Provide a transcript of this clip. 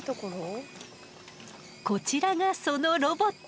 こちらがそのロボット！